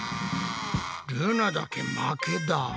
ルナだけ負けだ。